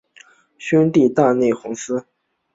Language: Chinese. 兄弟大内隆弘。